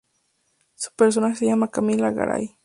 Su personaje se llama Camila Garay.